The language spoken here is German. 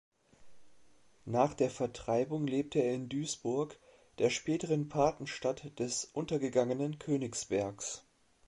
Nach der Vertreibung lebte er in Duisburg, der späteren Patenstadt des untergegangenen Königsbergs.